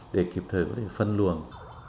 để kịp thời có thể phân luồng